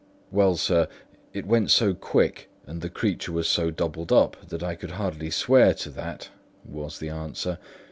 "Well, sir, it went so quick, and the creature was so doubled up, that I could hardly swear to that," was the answer.